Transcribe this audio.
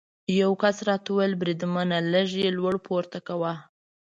یو کس راته وویل: بریدمنه، لږ یې لوړ پورته کوه.